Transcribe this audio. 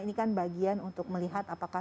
ini kan bagian untuk melihat apakah